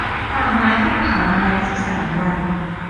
ป่าไม้ถูกเผามาแล้วสิบสามวัน